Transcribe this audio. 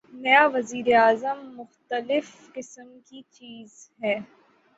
نیا وزیر اعظم مختلف قسم کی چیز ہے۔